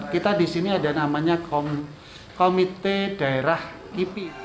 kita di sini ada namanya komite daerah kipi